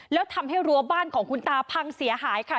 แล้วทำให้รั้วบ้านของคุณตาพังเสียหายค่ะ